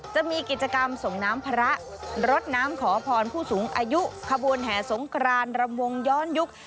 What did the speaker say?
จะมีกิจกรรมส่งน้ำพระรดน้ำขอพรผู้สูงอายุขบวนแห่สงครานรำวงย้อนยุค